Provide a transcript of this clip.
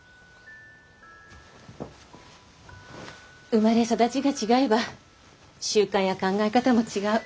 生まれ育ちが違えば習慣や考え方も違う。